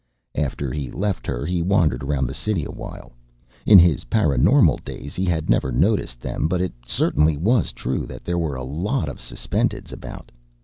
After he left her he wandered around the city awhile. In his paraNormal days he had never noticed them but it certainly was true that there were a lot of Suspendeds about.